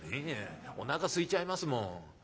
「いやおなかすいちゃいますもん。